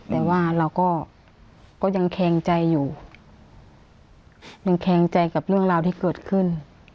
แต่ว่าเราก็ยังแคงใจอยู่ยังแคงใจกับเรื่องราวที่เกิดขึ้น